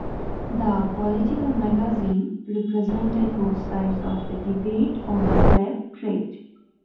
The "Political Magazine" represented both sides of the debate on the slave trade.